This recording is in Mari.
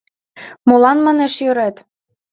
Молан, манеш, йӧрет?